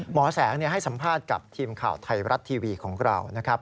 หมอแสงให้สัมภาษณ์กับทีมข่าวไทยรัฐทีวีของเรานะครับ